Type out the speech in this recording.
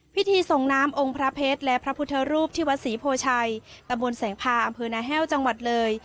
พิธีส่งน้ำองค์พระเพชรและพระพุทธรูปที่วัดศรีโพชัยตะบนแสงพาอำเภอนาแห้วจังหวัดเลย